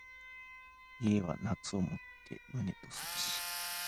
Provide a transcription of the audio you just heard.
家は夏をもって旨とすべし。